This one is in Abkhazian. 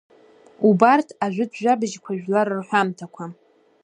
Убарҭ ажәытә жәабжькәа, жәлар рҳәамҭақәа.